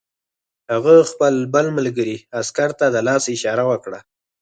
هغه خپل بل ملګري عسکر ته د لاس اشاره وکړه